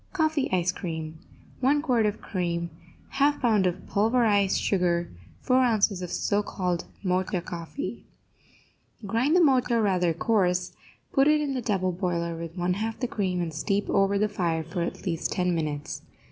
COFFEE ICE CREAM 1 quart of cream 1/2 pound of pulverized sugar 4 ounces of so called Mocha coffee Grind the Mocha rather coarse, put it in the double boiler with one half the cream, and steep over the fire for at least ten minutes.